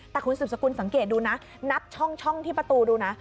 แต่คุณสืบสกุลสังเกตดูนะนับช่องที่ประตูดูนะ